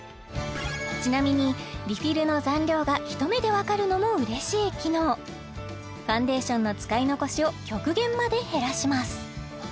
ちなみにリフィルの残量が一目でわかるのも嬉しい機能ファンデーションの使い残しを極限まで減らします